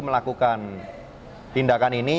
melakukan tindakan ini